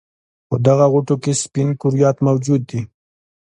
په دغه غوټو کې سپین کرویات موجود دي.